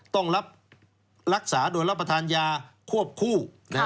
ต้องรักษาโดยรับประทานยาควบคู่